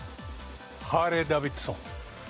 ハーレーダビッドソン。